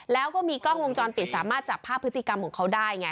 แล้วก็มีกล้องวงจรปิดสามารถจับภาพพฤติกรรมของเขาได้ไง